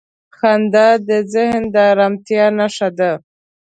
• خندا د ذهن د آرامتیا نښه ده.